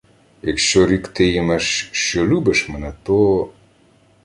— Якщо рікти-ймеш, що любиш мене, то...